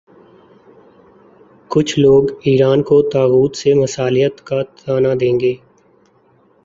کچھ لوگ ایران کو طاغوت سے مصالحت کا طعنہ دیں گے۔